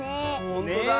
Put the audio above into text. ほんとだ！